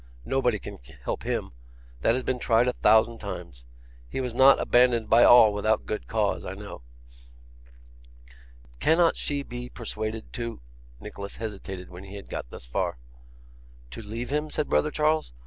Nobody can help him; that has been tried a thousand times; he was not abandoned by all without good cause, I know.' 'Cannot she be persuaded to ' Nicholas hesitated when he had got thus far. 'To leave him?' said brother Charles.